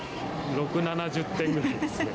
６、７０点ぐらいですね。